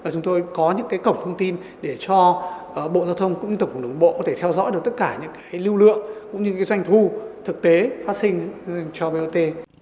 chúng tôi có những cổng thông tin để cho bộ giao thông cũng như tổng cục đồng bộ có thể theo dõi được tất cả những lưu lượng cũng như doanh thu thực tế phát sinh cho bot